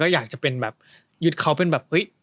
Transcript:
อยากจะเป็นอยุดเขาเป็นแบบ